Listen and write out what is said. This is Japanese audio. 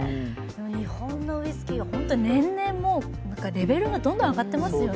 日本のウイスキーは年々もう、レベルが上がっていますよね。